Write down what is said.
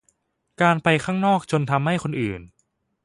การไปข้างนอกจนทำให้คนอื่น